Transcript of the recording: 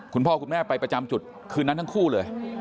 คุณพ่อคุณแม่ไปประจำจุดคืนนั้นทั้งคู่เลย